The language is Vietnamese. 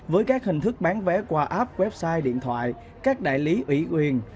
với các hình thức bán vé qua app website điện thoại các đại lý ủy quyền